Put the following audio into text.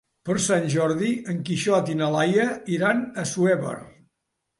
Per Sant Jordi en Quixot i na Laia iran a Assuévar.